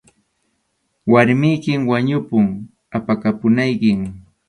Warmiykim wañupun, apakapunaykim.